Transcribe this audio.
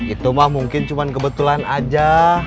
itu mah mungkin cuma kebetulan aja